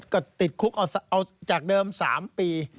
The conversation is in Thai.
ก็ติดคุกเอาจากเดิม๓ปี